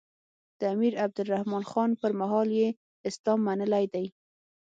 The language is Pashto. د امیر عبدالرحمان خان پر مهال یې اسلام منلی دی.